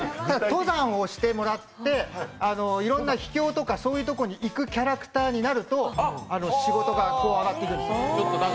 登山をしてもらっていろんな秘境とかそういうところに行くキャラクターになると仕事がこう、上がってくるんです。